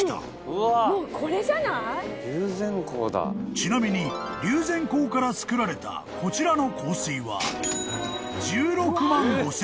［ちなみに竜涎香から作られたこちらの香水は］